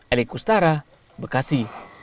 eli kustara bekasi